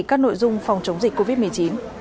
các nội dung phòng chống dịch covid một mươi chín